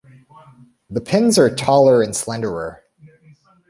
The pins are taller and slenderer.